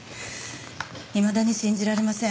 いまだに信じられません。